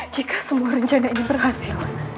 jika semua rencana ini berhasil